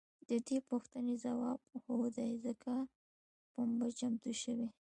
د دې پوښتنې ځواب هو دی ځکه پنبه چمتو شوې.